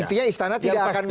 intinya istana tidak akan